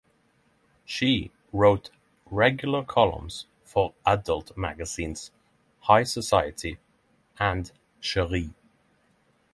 She wrote regular columns for adult magazines High Society and Cheri.